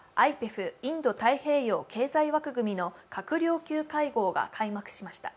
ＩＰＥＦ＝インド太平洋経済枠組みの閣僚級会合が開幕しました。